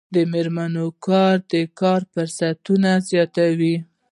د میرمنو کار د کار فرصتونه زیاتوي.